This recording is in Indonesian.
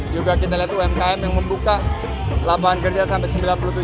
juga kita lihat umkm yang membuka lapangan kerja sampai sembilan puluh tujuh juta